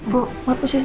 bu apa yang dia pikirkan